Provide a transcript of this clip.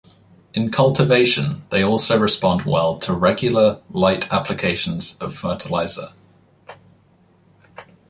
In cultivation, they also respond well to regular, light applications of fertilizer.